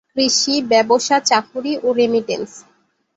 কৃষি, ব্যবসা, চাকুরি, ও রেমিটেন্স।